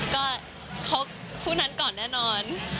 ก็คบคู่นั้นก่อนแน่นอน